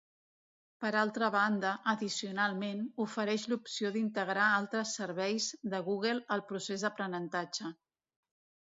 Per altra banda, addicionalment, ofereix l'opció d'integrar altres serveis de Google al procés d'aprenentatge.